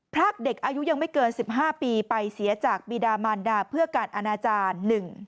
พรากเด็กอายุยังไม่เกิน๑๕ปีไปเสียจากบีดามานดาเพื่อการอนาจารย์